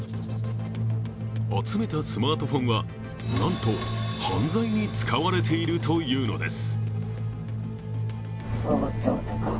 集めたスマートフォンは、なんと犯罪に使われているというのです。